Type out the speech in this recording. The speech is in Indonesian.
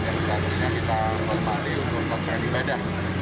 yang seharusnya kita sempat dihubungkan dengan ibadah